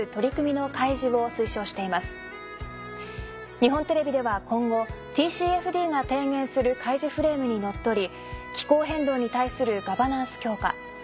日本テレビでは今後ＴＣＦＤが提言する開示フレームにのっとり。